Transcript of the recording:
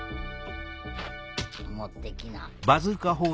持ってきな。